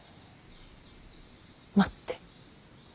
待って。